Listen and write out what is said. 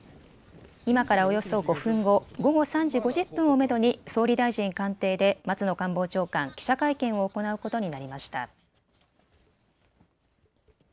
今からおよそ５分後、午後３時５０分をめどに総理大臣官邸で松野官房長官、記者会見を行うことになりました。